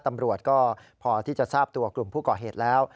ตำรวจก็พอที่จะทราบตัวกลุ่มผู้ก่อเหตุแล้ว